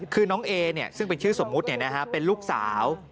คือน้องเอซึ่งเป็นชื่อสมมุติเป็นลูกสาว